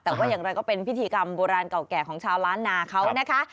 แต่ว่าอย่างไรก็เป็นพิธีกรรมโบราณเก่าแก่ของชาวล้านนาเขานะคะ